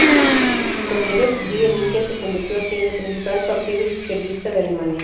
Con ello, Die Linke se convirtió así en el principal partido izquierdista de Alemania.